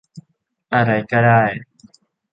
อะไรก็ได้